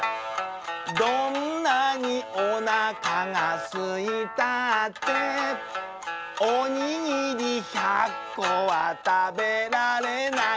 「どんなにおなかがすいたって」「おにぎり１００こはたべられない」